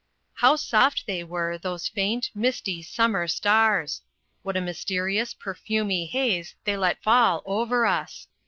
How soft they were, those faint, misty, summer stars! what a mysterious, perfumy haze they let fall over us!